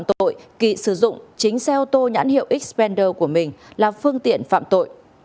phương tiện phạm tội kỳ sử dụng chính xe ô tô nhãn hiệu xpander của mình là phương tiện phạm tội